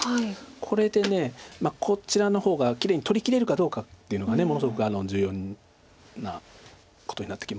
これでこちらの方がきれいに取りきれるかどうかっていうのがものすごく重要なことになってきまして。